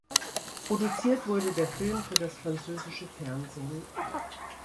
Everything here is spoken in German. Produziert wurde der Film für das französische Fernsehen.